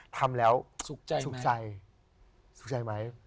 ทำแล้วสุขใจไหม